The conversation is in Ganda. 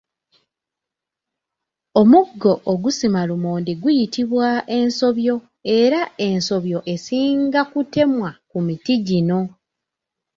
Omuggo ogusima lumonde guyitibwa ensobyo era ensobyo esinga kutemwa ku miti gino.